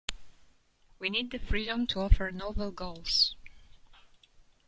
We need the freedom to offer novel goals.